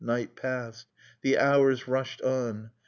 Night passed. The hours rushed on.